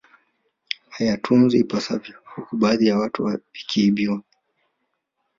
Hayatunzwi ipasavyo huku baadhi ya vitu vikiibwa